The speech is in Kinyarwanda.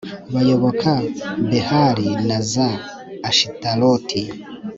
bayoboka behali na za ashitaroti